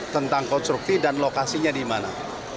tentang konstruksi dan lokasinya di mana